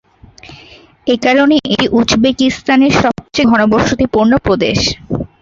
এ কারণে এটি উজবেকিস্তানের সবচেয়ে ঘনবসতিপূর্ণ প্রদেশ।